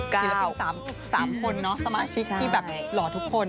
ศิลปิน๓คนเนาะสมาชิกที่แบบหล่อทุกคน